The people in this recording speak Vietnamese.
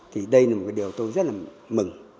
thì đây là một điều tôi rất là mừng